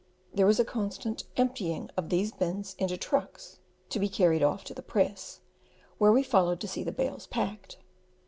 There was a constant emptying of these bins into trucks to be carried off to the press, where we followed to see the bales packed.